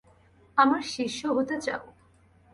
আমার শিষ্য হতে চাও?